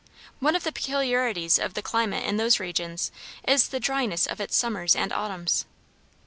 One of the peculiarities of the climate in those regions is the dryness of its summers and autumns.